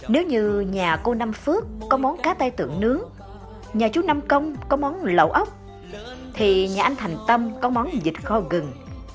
nếu như nhà cô năm phước có món cá tai tượng nướng nhà chú năm công có món lẩu ốc thì nhà anh thành tâm có món vịt kho gừng